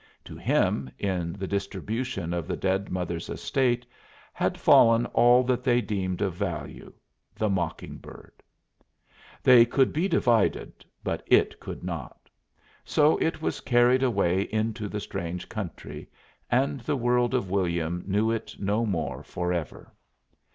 To him, in the distribution of the dead mother's estate, had fallen all that they deemed of value the mocking bird. They could be divided, but it could not, so it was carried away into the strange country, and the world of William knew it no more forever.